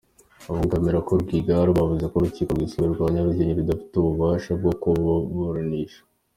Abunganira abo kwa Rwigara bavuze ko Urukiko Rwisumbuye rwa Nyarugenge rudafite ububasha bwo kubaburanisha.